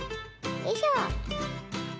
よいしょ。